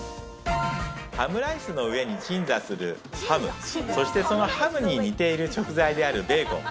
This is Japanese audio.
ハムライスの上に鎮座するハム、そしてそのハムに似ている食材であるベーコン。